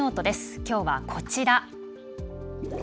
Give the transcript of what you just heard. きょうは、こちら。